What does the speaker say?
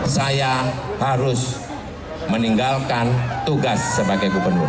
saya harus meninggalkan tugas sebagai gubernur